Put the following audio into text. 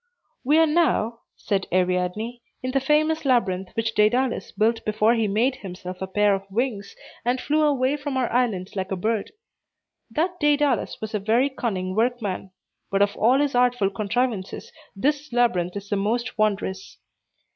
"We are now," said Ariadne, "in the famous labyrinth which Daedalus built before he made himself a pair of wings, and flew away from our island like a bird. That Daedalus was a very cunning workman; but of all his artful contrivances, this labyrinth is the most wondrous.